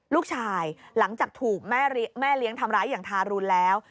หลังจากถูกแม่เลี้ยงทำร้ายอย่างทารุณแล้ว